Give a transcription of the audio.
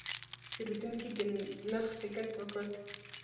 پیرودونکی د نرخ ټکټ وکت.